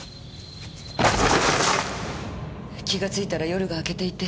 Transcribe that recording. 気がついたら夜が明けていて。